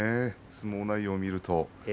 相撲内容を見ると。